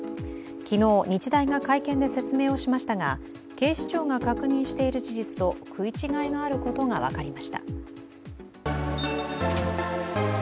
昨日日大が会見で説明しましたが、警視庁が確認している事実と食い違いがあることが分かりました。